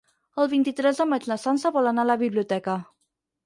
El vint-i-tres de maig na Sança vol anar a la biblioteca.